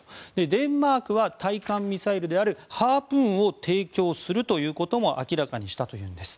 デンマークは対艦ミサイルであるハープーンを提供することも明らかにしたといいます。